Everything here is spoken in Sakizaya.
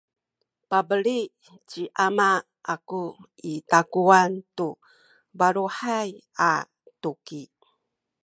pabeli ci ama aku i takuwan tu baluhay a tuki